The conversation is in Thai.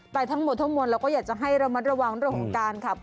แต่ทั้งหมดทั้งมวลเราก็อยากจะให้ระมัดระวังเรื่องของการขับ